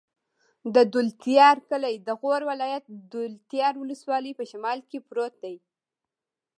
د دولتيار کلی د غور ولایت، دولتيار ولسوالي په شمال کې پروت دی.